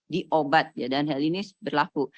di obat dan hal ini berlaku